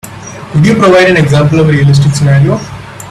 Could you provide an example of a realistic scenario?